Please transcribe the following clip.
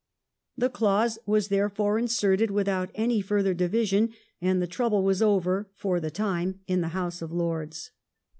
The clause was therefore inserted without any further division, and the trouble was over, for the time, in the House of Lords.